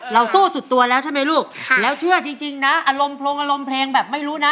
สู้สุดตัวแล้วใช่ไหมลูกแล้วเชื่อจริงนะอารมณ์โพรงอารมณ์เพลงแบบไม่รู้นะ